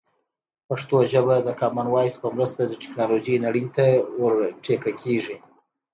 پښتو ژبه د کامن وایس په مرسته د ټکنالوژۍ نړۍ ته ور ټيکه کېږي.